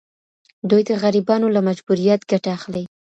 دوی د غریبانو له مجبوریت ګټه اخلي.